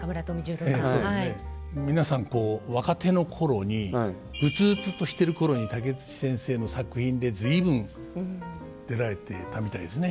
皆さん若手の頃に鬱々としてる頃に武智先生の作品で随分出られてたみたいですね。